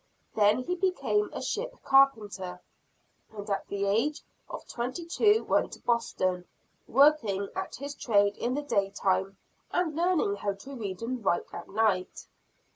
Then he became a ship carpenter; and at the age of twenty two went to Boston, working at his trade in the day time, and learning how to read and write at night.